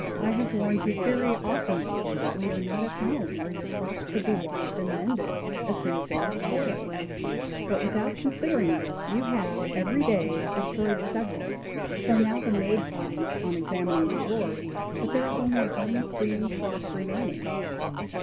I have warned you very often lately that we are not at home, where your frocks could be washed and mended as soon as they were spoiled; but without considering this you have, every day, destroyed several, so now the maid finds, on examining your drawers, that there is only one clean frock remaining!"